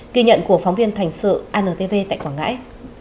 kỳ nhận của phóng viên thành sự antv tại quảng ngãi